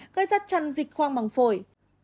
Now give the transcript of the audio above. gây ra tràn dịch khoang măng phổi